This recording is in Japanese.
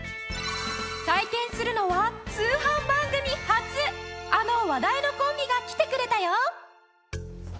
体験するのは通販番組初あの話題のコンビが来てくれたよ。